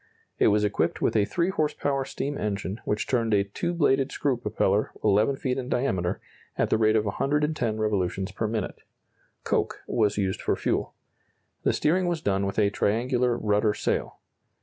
It was equipped with a 3 horse power steam engine which turned a two bladed screw propeller 11 feet in diameter, at the rate of 110 revolutions per minute. Coke was used for fuel. The steering was done with a triangular rudder sail.